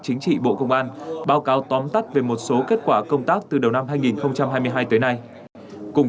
chính trị bộ công an báo cáo tóm tắt về một số kết quả công tác từ đầu năm hai nghìn hai mươi hai tới nay cục